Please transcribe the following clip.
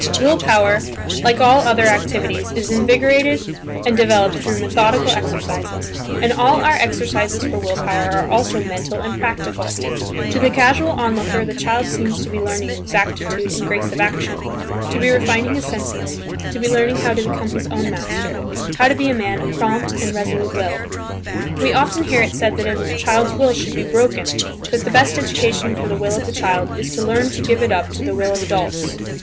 Will power, like all other activities is invigorated and developed through methodical exercises, and all our exercises for will power are also mental and practical. To the casual onlooker the child seems to be learning exactitude and grace of action, to be refining his senses, to be learning how to become his own master, how to be a man of prompt and resolute will. We often hear it said that a child's will should be "broken" that the best education for the will of the child is to learn to give it up to the will of adults.